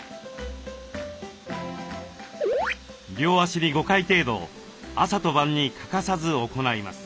両脚に５回程度朝と晩に欠かさず行います。